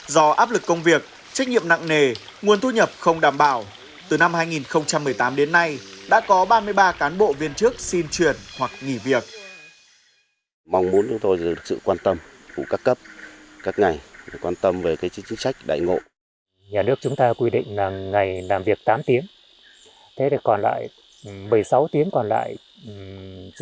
do áp lực công việc trách nhiệm nặng nề nguồn thu nhập không đảm bảo từ năm hai nghìn một mươi tám đến nay đã có ba mươi ba cán bộ viên trước xin chuyển hoặc nghỉ việc